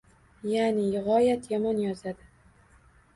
Ya’ni g’oyat yomon yozadi.